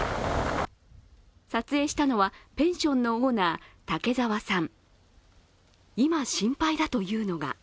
撮影したのはペンションのオーナー、竹澤さん。